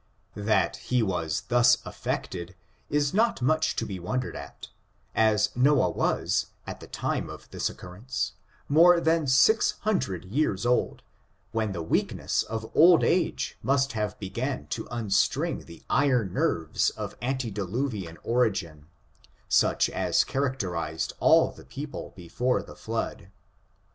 That he was thus afiected, is not much to be won dered at, as Noah was, at the time of this occurrence, more than six hundred years old, when the weak ness of old age must have began to unstring the iron ^ nerves of antediluvian origin, such as characterized all the people before the flood.